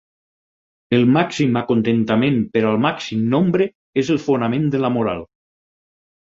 El màxim acontentament per al màxim nombre és el fonament de la moral.